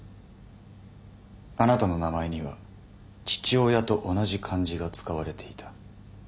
あなたの名前には父親と同じ漢字が使われていた。